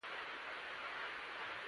شیدې د شکر لپاره ګټورې دي